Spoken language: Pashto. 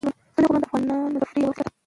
ستوني غرونه د افغانانو د تفریح یوه وسیله ده.